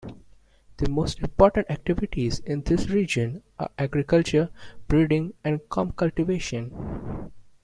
The most important activities in this region are: agriculture, breeding and com cultivation.